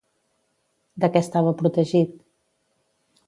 De què estava protegit?